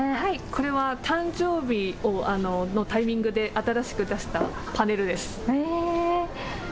これは誕生日のタイミングで新しく出したパネルです。